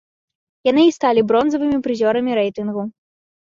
Яны і сталі бронзавымі прызёрамі рэйтынгу.